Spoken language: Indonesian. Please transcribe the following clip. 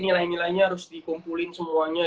nilai nilainya harus dikumpulin semuanya